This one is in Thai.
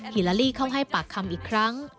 ฮิลาลีเข้าให้ปากคำอีกครั้ง